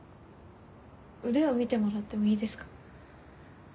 腕を診てもらってもいいですか？